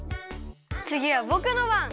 つぎはぼくのばん。